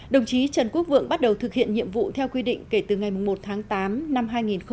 đồng chí trần quốc vượng bắt đầu thực hiện nhiệm vụ theo quy định kể từ ngày một tháng tám năm hai nghìn một mươi chín